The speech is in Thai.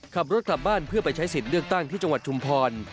ขับรถกลับบ้านเพื่อไปใช้สิทธิ์เลือกตั้งที่จังหวัดชุมพร